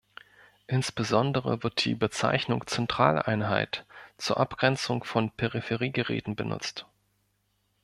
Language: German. Insbesondere wird die Bezeichnung "Zentraleinheit" zur Abgrenzung von Peripheriegeräten benutzt.